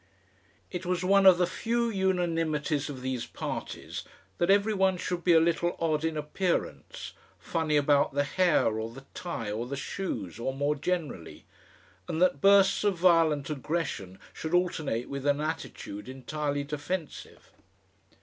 It was one of the few unanimities of these parties that every one should be a little odd in appearance, funny about the hair or the tie or the shoes or more generally, and that bursts of violent aggression should alternate with an attitude entirely defensive.